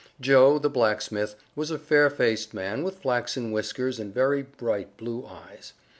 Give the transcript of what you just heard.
Joe, the blacksmith, was a fair faced man with flaxen whiskers and very bright blue eyes.